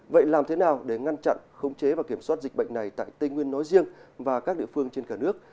vậy làm thế nào để ngăn chặn khống chế và kiểm soát dịch bệnh này tại tây nguyên nói riêng và các địa phương trên cả nước